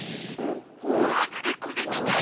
わっごめんなさい。